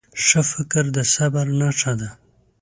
ښه فکر د صبر نښه ده.